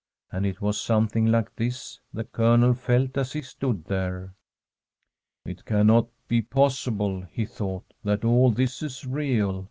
And it was something like this the Colonel felt as he stood there. * It can not be possible,' he thought, ' that all this is real.